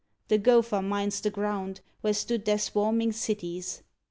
The gopher mines the ground Where stood their swarming cities.